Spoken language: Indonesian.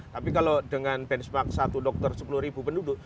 tapi kalau dengan benchmark satu dokter sepuluh ribu penduduk